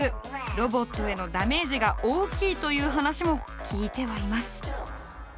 ロボットへのダメージが大きいという話も聞いてはいます。